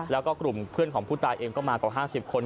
แล้วก็กลุ่มเพื่อนของผู้ตายเองก็มากว่า๕๐คน